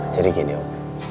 jadi gini om